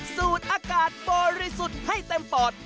สูดอากาศบริสุทธิ์ให้เต็มปอด